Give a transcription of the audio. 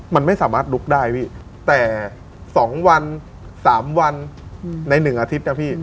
มันไม่สามารถลุกได้พี่แต่๒วัน๓วันใน๑อาทิตย์นะพี่